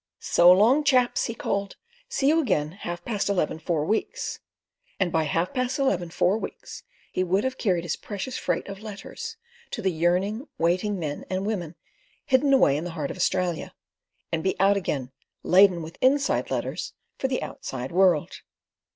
"So long, chaps," he called. "See you again half past eleven four weeks"; and by "half past eleven four weeks" he would have carried his precious freight of letters to the yearning, waiting men and women hidden away in the heart of Australia, and be out again, laden with "inside" letters for the outside world.